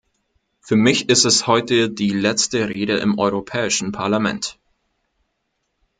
Für mich ist es heute die letzte Rede im Europäischen Parlament.